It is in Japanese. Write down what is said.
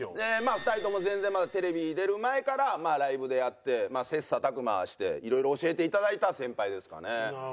２人とも全然まだテレビに出る前からライブでやってまあ切磋琢磨して色々教えて頂いた先輩ですかね。